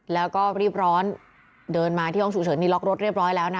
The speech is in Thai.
แล้วก็รีบร้อนเดินมาที่ห้องฉุกเฉินนี่ล็อกรถเรียบร้อยแล้วนะคะ